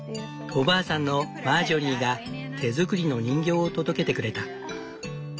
おばあさんのマージョリーが手作りの人形を届けてくれた。